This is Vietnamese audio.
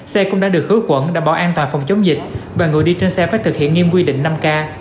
xe cũng đã được cứu quẩn đảm bảo an toàn phòng chống dịch và người đi trên xe phải thực hiện nghiêm quy định năm k